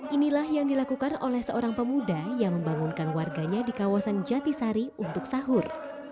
inilah yang dilakukan oleh seorang pemuda yang membangunkan warganya di kawasan jatisari untuk sahur